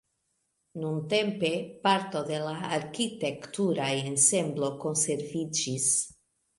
Nuntempe parto de la arkitektura ensemblo konserviĝis.